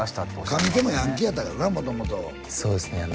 上手もヤンキーやったからな元々そうですね